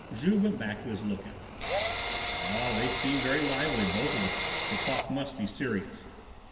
Juve went back to his look out. "Oh, they seem very lively, both of them; the talk must be serious.